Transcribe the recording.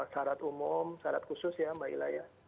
syarat umum syarat khusus ya mbak ila ya